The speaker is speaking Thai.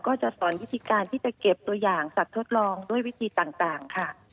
ก็จะสอนวิธีการที่จะเก็บตัวอย่างสัตว์ทดลองด้วยวิธีต่างค่ะ